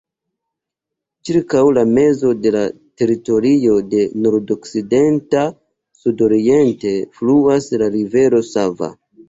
Ĉirkaŭ la mezo de la teritorio, de nordokcidenta sudoriente, fluas la rivero Sava.